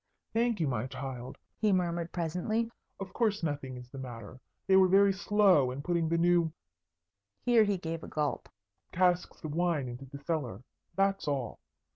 "Thank you, my child," he murmured, presently. "Of course, nothing is the matter. They were very slow in putting the new" (here he gave a gulp) "casks of wine into the cellar; that's all.